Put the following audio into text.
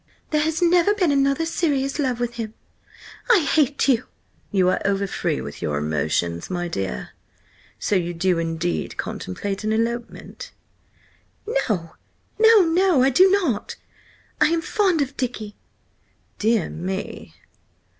"There has never been another serious love with him! I hate you!" "You are overfree with your emotions, my dear. So you do indeed contemplate an elopement?" "No, no, no! I do not! I am fond of Dicky!" "Dear me!"